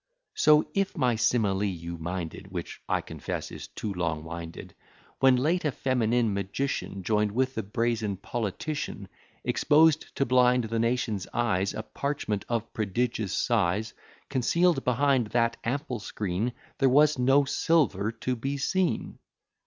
So (if my simile you minded, Which I confess is too long winded) When late a feminine magician, Join'd with a brazen politician, Exposed, to blind the nation's eyes, A parchment of prodigious size; Conceal'd behind that ample screen, There was no silver to be seen.